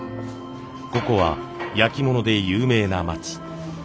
ここは焼き物で有名な町。